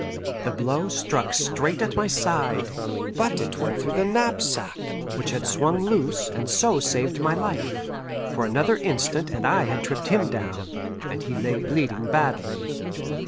The blow struck straight at my side, but it went through the knapsack, which had swung loose, and so saved my life; for another instant and I had tripped him down, and he lay bleeding badly.